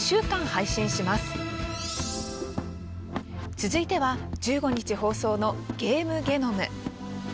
続いては１５日放送の「ゲームゲノム」。